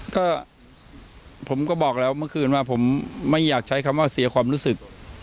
ก็ผมก็บอกแล้วเมื่อคืนว่าผมไม่อยากใช้คำว่าเสียความรู้สึก